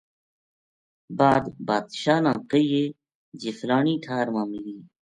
بعد بادشاہ با کہنیے جی فلانی ٹھار ما میری